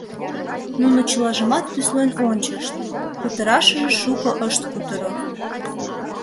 Нуно чылажымат тӱслен ончышт, кутырашыже шуко ышт кутыро.